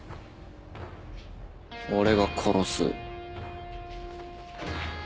俺が殺す。